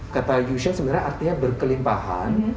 kata yusuf sebenarnya artinya berkelimpahan